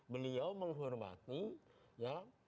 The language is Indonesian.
beliau menghormati ya